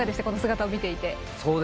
この姿を見ていて。